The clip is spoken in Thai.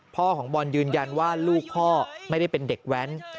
พ่อของบอลยืนยันว่าลูกพ่อไม่ได้เป็นเด็กแว้น